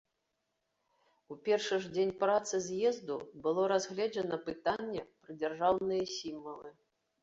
У першы ж дзень працы з'езду было разгледжана пытанне пра дзяржаўныя сімвалы.